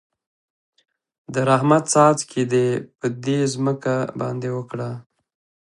د رحمت څاڅکي دې په دې ځمکه باندې وکره.